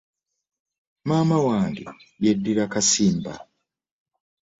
Maama wange yeddira Kasimba.